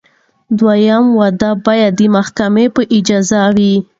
دویم واده باید د محکمې په اجازه وي.